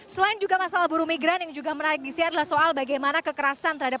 selain juga masalah buruh migran yang juga menarik bisa adalah soal bagaimana kekerasan terhadap